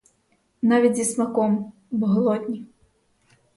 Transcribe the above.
Навіть зі смаком, бо голодні.